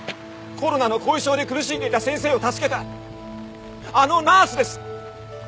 コロナの後遺症で苦しんでいた先生を助けたあのナースです！